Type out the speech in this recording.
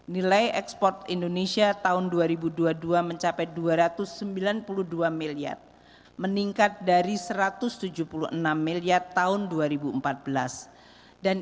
nilai ekspor indonesia tahun dua ribu dua puluh dua mencapai dua ratus sembilan puluh dua miliar meningkat dari satu ratus tujuh puluh enam miliar tahun dua ribu empat belas dan